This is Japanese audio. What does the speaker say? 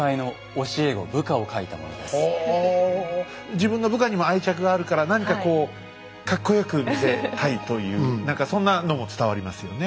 自分の部下にも愛着があるから何かこうかっこよく見せたいという何かそんなのも伝わりますよね。